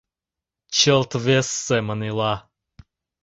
Чылт вес семын ила: